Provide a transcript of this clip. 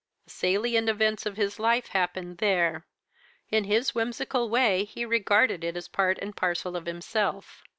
The salient events of his life happened there. In his whimsical way he regarded it as part and parcel of himself.